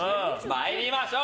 参りましょう。